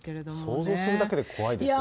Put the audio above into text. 想像するだけでも怖いですよね。